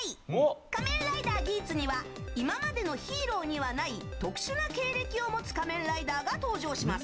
「仮面ライダーギーツ」には今までのヒーローにはない特殊な経歴を持つ仮面ライダーが登場します。